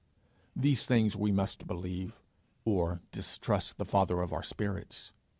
These things we must believe, or distrust the Father of our spirits.